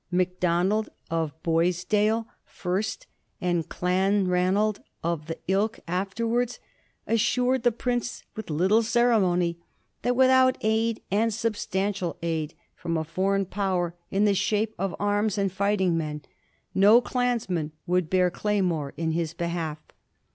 Macdonald of Boisdale first, and Clanranald of that ilk afterwards, assured the prince, with little ceremony, that without aid, and substantial aid, from a foreign Power, in the shape of arms and fighting men, no clansman would bare claymore in his behalf.